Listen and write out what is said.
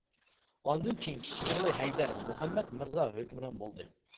ئاندىن كېيىن كىچىك ئوغلى ھەيدەر مۇھەممەت مىرزا ھۆكۈمران بولدى.